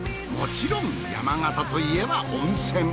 もちろん山形といえば温泉。